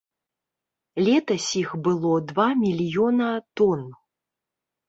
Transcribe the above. Летась іх было два мільёна тон.